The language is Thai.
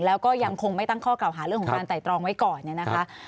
แล้วก็ยังคงไม่ตั้งข้อกล่าวหาเรื่องของการไต่ตรองไว้ก่อนเนี่ยนะคะ